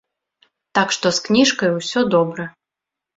Так што з кніжкай усё добра.